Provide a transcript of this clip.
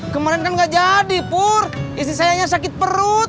kemarin kan gak jadi pur istri sayanya sakit perut